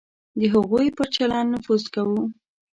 د هغوی پر چلند نفوذ کوو.